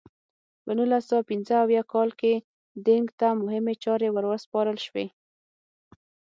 په نولس سوه پنځه اویا کال کې دینګ ته مهمې چارې ور وسپارل شوې.